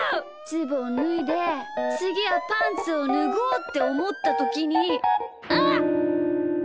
ズボンぬいでつぎはパンツをぬごうっておもったときに。